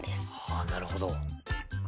あなるほど。